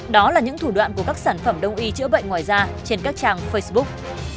đó là những thủ đoạn của các sản phẩm đông y chữa bệnh ngoài ra trên các trang facebook